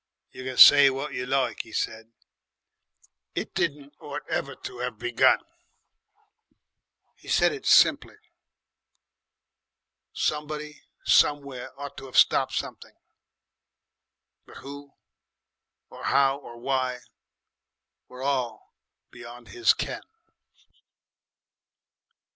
"You can say what you like," he said. "It didn't ought ever to 'ave begun." He said it simply somebody somewhere ought to have stopped something, but who or how or why were all beyond his ken.